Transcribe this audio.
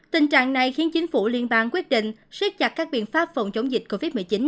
tình trạng này khiến chính phủ liên bang quyết định siết chặt các biện pháp phòng chống dịch covid một mươi chín